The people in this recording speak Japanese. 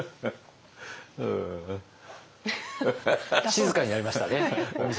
静かになりましたね。